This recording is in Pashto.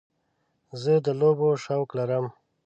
زه د لوبو شوق لرم.